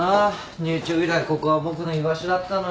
入庁以来ここは僕の居場所だったのに。